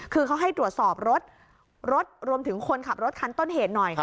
คือเขาให้ตรวจสอบรถรถรวมถึงคนขับรถคันต้นเหตุหน่อย